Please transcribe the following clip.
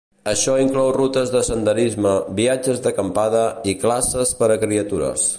Això inclou rutes de senderisme, viatges d'acampada i classes per a criatures.